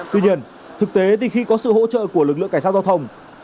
tuy nhiên thực tế thì khi có sự hỗ trợ của lực lượng cảnh sát giao thông